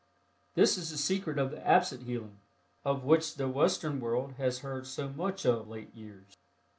This is the secret of the "absent healing," of which the Western world has heard so much of late years.